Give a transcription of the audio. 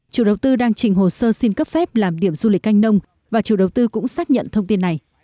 chủ đầu tư đang trình hồ sơ xin cấp phép làm điểm du lịch canh nông và chủ đầu tư cũng xác nhận thông tin này